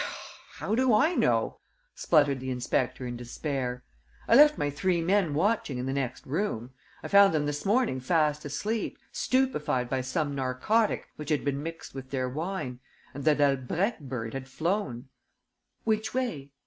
"How do I know?" spluttered the inspector in despair. "I left my three men watching in the next room. I found them this morning fast asleep, stupefied by some narcotic which had been mixed with their wine! And the Dalbrèque bird had flown!" "Which way?"